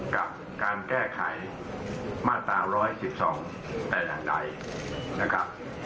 กับการแก้ไขมาตราร้อยสิบสองอาจารย์ใดนะครับ